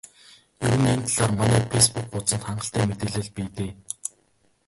Ер нь энэ талаар манай фейсбүүк хуудсанд хангалттай мэдээлэл бий дээ.